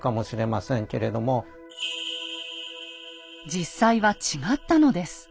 実際は違ったのです。